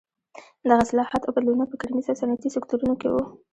دغه اصلاحات او بدلونونه په کرنیز او صنعتي سکتورونو کې وو.